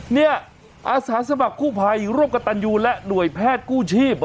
เนี่ยอาสาสมัครกู้ภัยร่วมกับตันยูและหน่วยแพทย์กู้ชีพ